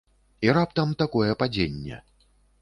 І раптам такое падзенне.